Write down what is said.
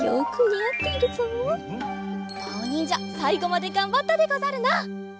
まおにんじゃさいごまでがんばったでござるな。